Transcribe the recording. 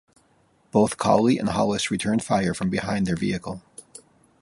Both Cowley and Hollis returned fire from behind their vehicle.